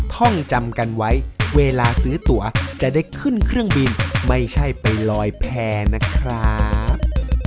ท่องจำกันไว้เวลาซื้อตัวจะได้ขึ้นเครื่องบินไม่ใช่ไปลอยแพร่นะครับ